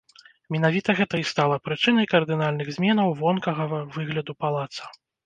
Менавіта гэта і стала прычынай кардынальных зменаў вонкавага выгляду палаца.